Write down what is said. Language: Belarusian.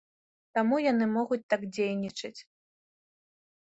Таму яны могуць так дзейнічаць.